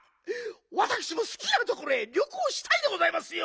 わたくしもすきなところへりょこうしたいでございますよ。